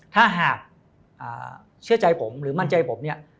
ถ้าหากเชื่อใจผมหรือมั่นใจผมเนี่ย